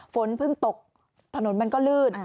ฝนเพิ่งตกถนนก็รืน